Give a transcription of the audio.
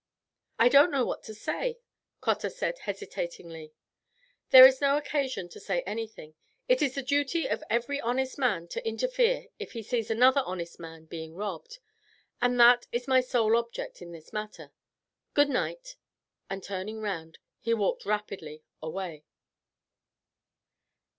"I don't know what to say," Cotter said hesitatingly. "There is no occasion to say anything; it is the duty of every honest man to interfere if he sees another honest man being robbed, and that is my sole object in this matter. Good night;" and turning round, he walked rapidly away.